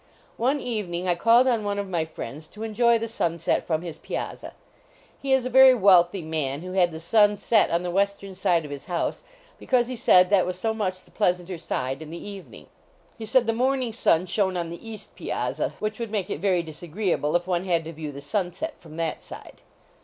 One evening I called on one of my friends to enjoy the sunset from his piazza. He is a very wealthy man, who had the sun set on the western side of his house, because he said 248 HOUSEHOLD PETS that was so much the pk a anter side in the evening. He said the morning sun shone on the east piazza, which would make it very disagreeable if one had to view the sunset from that side.